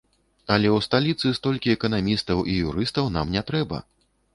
Але ў сталіцы столькі эканамістаў і юрыстаў нам не трэба.